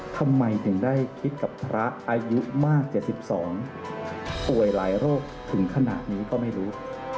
ทำไมถึงได้คิดกับพระอายุมาก๗๒ป่วยหลายโรคถึงขนาดนี้ก็ไม่รู้